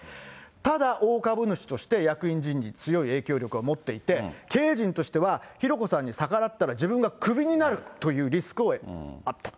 ただ、大株主として役員人事に強い影響力を持っていて、経営陣としては、浩子さんに逆らったら、自分がクビになるというリスクがあったと。